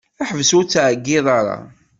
Ḥbes ur ttɛeyyiḍ ara.